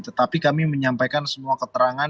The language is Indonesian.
tetapi kami menyampaikan semua keterangan